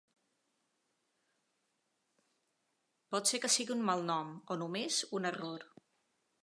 Pot ser que sigui un malnom, o només un error.